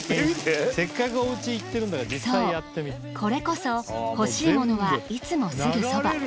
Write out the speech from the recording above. そうこれこそ欲しいものはいつもすぐそば。